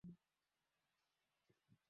Rahma ni mfupi sana